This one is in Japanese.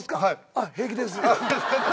「あっ平気です」